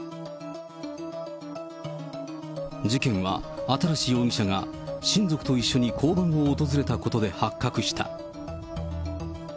事件は新容疑者が親族と一緒に交番を訪れたことで発覚した。